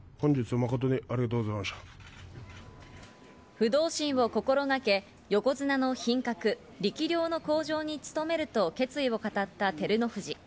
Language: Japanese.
不動心を心がけ横綱の品格、力量の向上に努めると決意を語った照ノ富士。